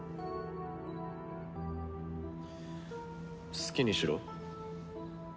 好きにしろ。